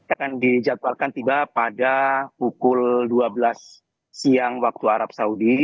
akan dijadwalkan tiba pada pukul dua belas siang waktu arab saudi